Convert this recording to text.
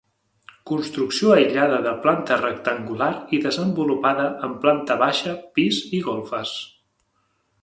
Construcció aïllada de planta rectangular i desenvolupada en planta baixa, pis i golfes.